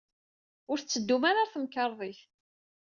Ur tettedum ara ɣer temkarḍit.